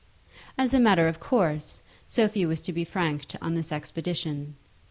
As a matter of course, Sophie was to be franked on this expedition.